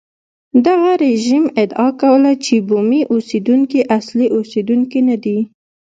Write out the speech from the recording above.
دغه رژیم ادعا کوله چې بومي اوسېدونکي اصلي اوسېدونکي نه دي.